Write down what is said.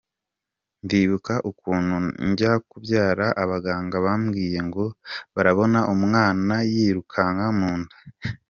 Ndibuka ukuntu njya kubyara abaganga bambwiye ngo barabona umwana yirukanka mu nda.